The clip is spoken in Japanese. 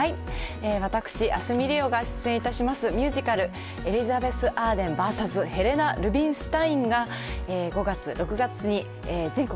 私、明日海りおが出演いたしますミュージカル、エリザベス・アーデンｖｓヘレナ・ルビンスタインが、５月、６月に全国